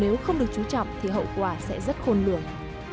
nếu không được chú trọng thì hậu quả sẽ rất khôn lường